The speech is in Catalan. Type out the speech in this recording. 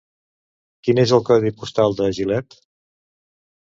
Quin és el codi postal de Gilet?